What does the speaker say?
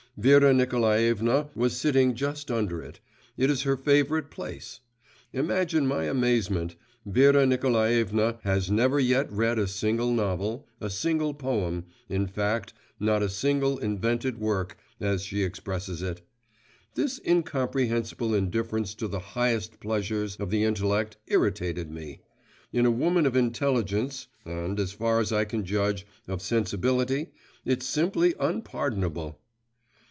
Vera Nikolaevna was sitting just under it; it is her favourite place. Imagine my amazement: Vera Nikolaevna has never yet read a single novel, a single poem in fact, not a single invented work, as she expresses it! This incomprehensible indifference to the highest pleasures of the intellect irritated me. In a woman of intelligence, and as far as I can judge, of sensibility, it's simply unpardonable.